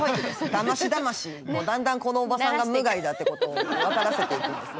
だましだましだんだんこのおばさんが無害だってことを分からせてですね。